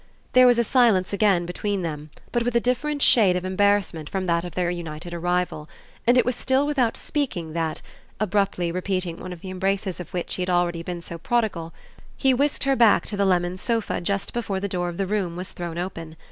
There was a silence again between them, but with a different shade of embarrassment from that of their united arrival; and it was still without speaking that, abruptly repeating one of the embraces of which he had already been so prodigal, he whisked her back to the lemon sofa just before the door of the room was thrown open.